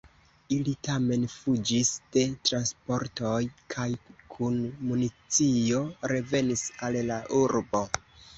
Ili tamen fuĝis de transportoj kaj kun municio revenis al la urbo.